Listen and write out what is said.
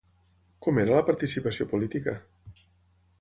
Com era la participació política?